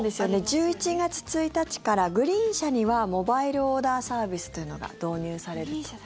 １１月１日からグリーン車にはモバイルオーダーサービスというのが導入されると。